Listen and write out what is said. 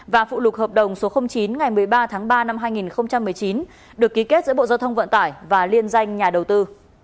và phụ lục hợp đồng số chín ngày một mươi ba tháng ba năm hai nghìn một mươi chín được ký kết giữa bộ giao thông vận tải và liên danh nhà đầu tư